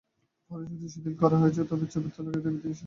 পরে সেটা শিথিল করা হয়েছে, তবে ছবি তোলার বিধিনিষেধটা এখনো বলবৎ আছে।